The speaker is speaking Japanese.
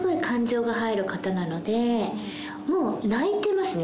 もう泣いてますね